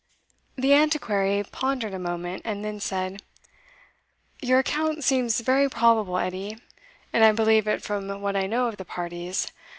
The Antiquary pondered a moment, and then said, "Your account seems very probable, Edie, and I believe it from what I know of the parties.